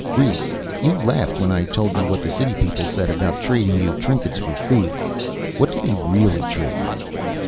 "Rhes, you laughed when I told you what the city people said, about trading you trinkets for food. What do they really trade you?"